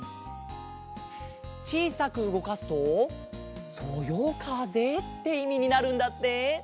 ちいさくうごかすと「そよかぜ」っていみになるんだって。